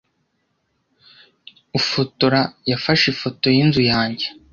Ufotora yafashe ifoto yinzu yanjye.